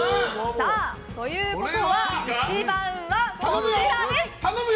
ということは１番はこちらです。